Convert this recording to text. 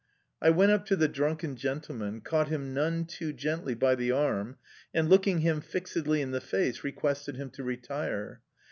I went up to the drunken gentleman, caught him none too gently by the arm, and, looking him fixedly in the face, requested him to retire.